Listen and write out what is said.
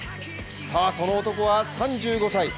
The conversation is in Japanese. その男は３５歳。